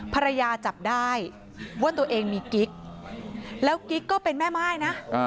ภรรยาจับได้ว่าตัวเองมีกิ๊กแล้วกิ๊กก็เป็นแม่ม่ายนะ